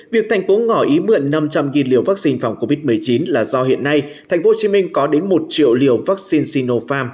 việc thành phố ngỏ ý mượn năm trăm linh liều vaccine phòng covid một mươi chín là do hiện nay tp hcm có đến một triệu liều vaccine sinopharm